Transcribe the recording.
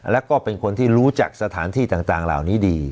แล้วก็เป็นคนที่รู้จักสถานที่ต่างเหล่านี้ดี